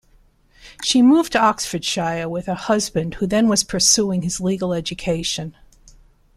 She moved to Oxfordshire with her husband who than was pursuing his legal education.